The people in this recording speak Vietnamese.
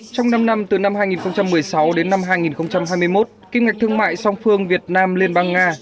trong năm năm từ năm hai nghìn một mươi sáu đến năm hai nghìn hai mươi một kim ngạch thương mại song phương việt nam liên bang nga